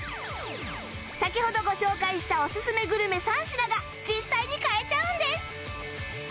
先ほどご紹介したオススメグルメ３品が実際に買えちゃうんです！